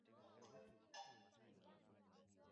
Hospitali ya rufaa ya mkoa wa mara inatarajiwa